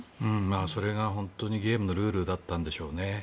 それが本当にゲームのルールだったんでしょうね。